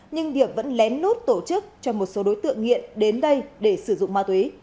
nhưng điệp vẫn lén lút tổ chức cho một số đối tượng nghiện đến đây để sử dụng ma túy